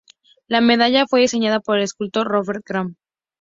La medalla fue diseñada por el escultor Robert Graham.